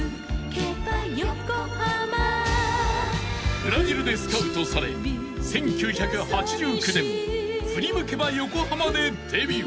［ブラジルでスカウトされ１９８９年『ふりむけばヨコハマ』でデビュー］